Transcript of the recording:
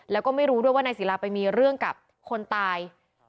แล้วก็ไม่รู้ด้วยว่านายศิลาไปมีเรื่องกับคนตาย